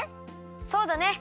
そうだね。